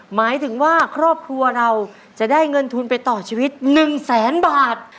หมายถึงว่าครอบครัวเราจะได้เงินทุนไปต่อชีวิต๑แสนบาท